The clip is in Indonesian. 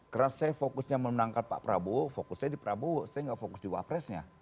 karena saya fokusnya menangkan pak prabowo fokusnya di prabowo saya nggak fokus di wapresnya